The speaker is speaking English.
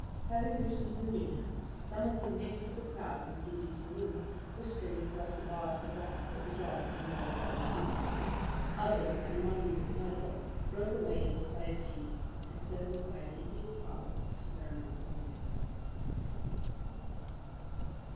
Having reached the Union House, some of them mixed with the crowd in McGinty's saloon, whispering across the bar to the Boss that the job had been well carried through. Others, and among them McMurdo, broke away into side streets, and so by devious paths to their own homes.